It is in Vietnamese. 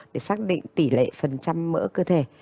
để xác định tỷ lệ phần trăm mỡ cơ thể